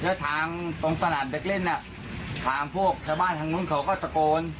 แล้วทางตรงสนามเด็กเล่นน่ะทางพวกชาวบ้านทางนู้นเขาก็ตะโกน